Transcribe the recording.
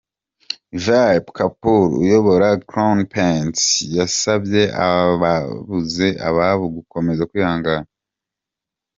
Vipul Kapul uyobora Crown Paints yasabye ababuze ababo gukomeza kwihangana.